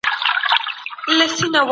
فساد د ټولني امن ګډوډوي.